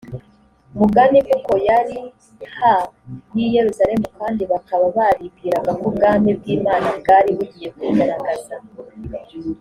mugani kuko yari ha y i yerusalemu kandi bakaba baribwiraga ko ubwami bw imana bwari bugiye kwigaragaza